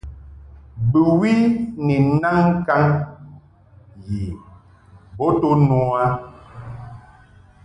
Bɨwi ni naŋ ŋkaŋ yi bo to no a.